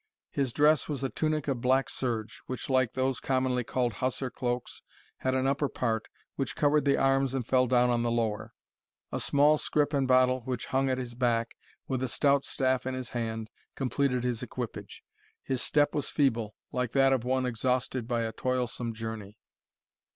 His dress was a tunic of black serge, which, like those commonly called hussar cloaks, had an upper part, which covered the arms and fell down on the lower; a small scrip and bottle, which hung at his back, with a stout staff in his hand, completed his equipage. His step was feeble, like that of one exhausted by a toilsome journey.